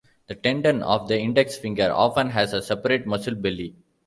The tendon of the index finger often has a separate muscle belly.